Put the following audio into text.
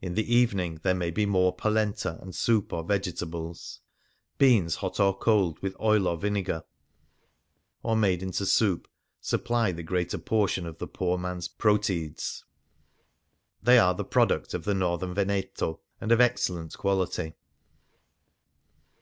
In the evening there may be more polenta and soup or vegetables. Beans, hot or cold, with oil and vinegar, or made 146 Varia into soup, supply the greater portion of the poor man's proteids ; they are the product of the northern Veneto, and of excellent quality.